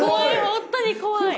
本当に怖い。